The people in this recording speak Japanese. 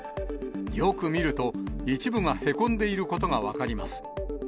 よく見ると、一部がへこんでいることが分かります。